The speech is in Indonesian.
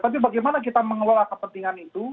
tapi bagaimana kita mengelola kepentingan itu